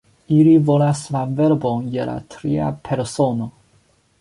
Ili volas la verbon je la tria persono.